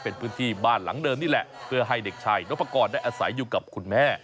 เป็นพื้นที่บ้านหลังเดิมนี่แหละเพื่อให้เด็กชายนพกรได้อาศัยอยู่กับคุณแม่